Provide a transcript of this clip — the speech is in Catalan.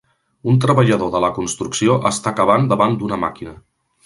Un treballador de la construcció està cavant davant d'una màquina